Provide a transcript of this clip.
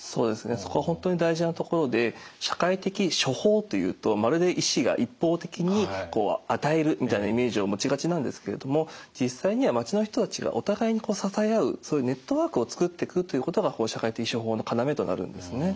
そこは本当に大事なところで社会的処方というとまるで医師が一方的に与えるみたいなイメージを持ちがちなんですけれども実際には町の人たちがお互いに支え合うそういうネットワークを作っていくということが社会的処方のかなめとなるんですね。